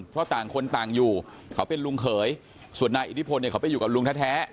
เพราะต่างคนต่างอยู่เขาเป็นลุงเขยส่วนนายอิทธิพลเนี่ยเขาไปอยู่กับลุงแท้